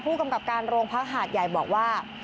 ผู้กำกับการโรงพักหาดใหญ่บอกว่า